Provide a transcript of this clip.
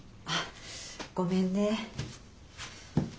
あっごめんね。